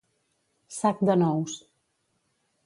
Sac de nous.